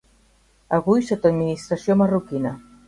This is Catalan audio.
Avui sota administració marroquina.